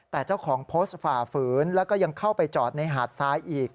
แต่เจ้าของโพสต์ฝ่าฝืนแล้วก็ยังเข้าไปจอดในหาดทรายอีก